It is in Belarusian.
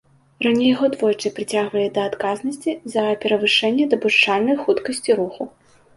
Раней яго двойчы прыцягвалі да адказнасці за перавышэнне дапушчальнай хуткасці руху.